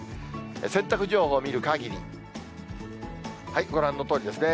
洗濯情報を見るかぎり、ご覧のとおりですね。